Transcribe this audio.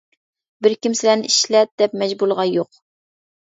بىر كىم سىلەرنى ئىشلەت دەپ مەجبۇرلىغان يوق.